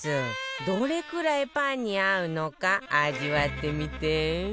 どれくらいパンに合うのか味わってみて